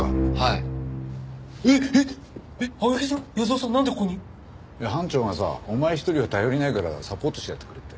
いや班長がさお前一人は頼りないからサポートしてやってくれって。